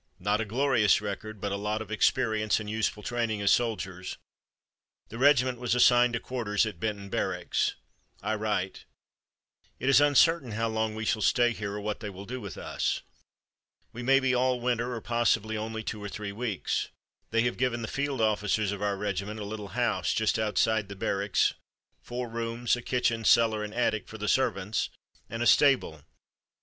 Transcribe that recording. Not a glorious record, but a lot of experience and useful training as soldiers. The regiment was assigned to quarters at Benton Barracks. I write: "It is uncertain how long we shall stay here or what they will do with us. We may be all winter or possibly only two or three weeks. They have given the field officers of our regiment a little house just outside the Barracks, four rooms, a kitchen, cellar, and attic for the servants, and a stable.